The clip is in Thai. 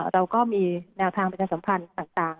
เราก็มีแนวทางประชาสัมพันธ์ต่าง